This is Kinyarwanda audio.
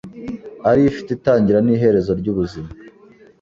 ariyo ifite itangira n’iherezo ry’ubuzima.